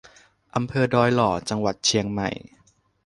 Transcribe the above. อำเภอดอยหล่อ จังหวัดเชียงใหม่